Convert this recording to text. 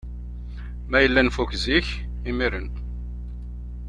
Ma yella nfuk zik imiren.